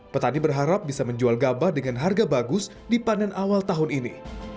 petani berharap bisa menjual gabah dengan harga bagus di panen awal tahun ini